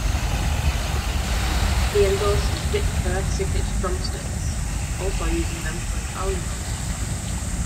He endorses Vic Firth signature drum sticks, also using them for his own drumming.